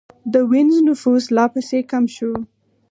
د وینز نفوس لا پسې کم شو